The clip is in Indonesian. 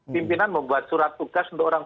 pimpinan membuat surat tugas untuk orang